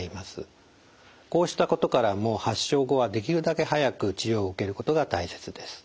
こうしたことからも発症後はできるだけ早く治療を受けることが大切です。